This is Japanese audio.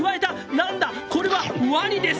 なんだ、これはワニです！